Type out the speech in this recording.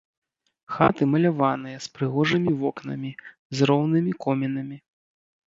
Хаты маляваныя, з прыгожымі вокнамі, з роўнымі комінамі.